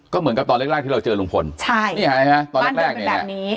ก็เหมือนกับตอนแรกแรกที่เราเจอลุงพลใช่นี่เห็นไหมฮะตอนแรกแรกแบบนี้บ้านเกิดแบบนี้